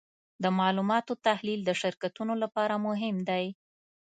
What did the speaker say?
د معلوماتو تحلیل د شرکتونو لپاره مهم دی.